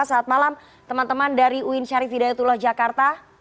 saat malam teman teman dari uin syarif hidayatullah jakarta